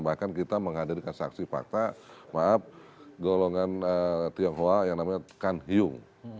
bahkan kita menghadirkan saksi fakta maaf golongan tionghoa yang namanya kan hyung